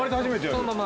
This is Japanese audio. そのまま。